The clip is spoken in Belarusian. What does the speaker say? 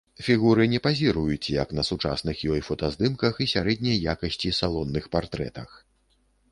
Фігуры не пазіруюць як на сучасных ёй фотаздымках і сярэдняй якасці салонных партрэтах.